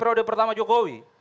udah pertama jokowi